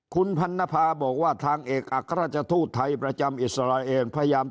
คุณพันนภาบอกว่าทางเอกอัครราชทูตไทยประจำอิสราเอลพยายาม